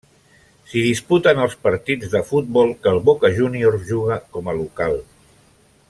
S'hi disputen els partits de futbol que el Boca Juniors juga com a local.